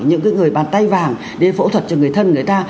những cái người bàn tay vàng để phẫu thuật cho người thân người ta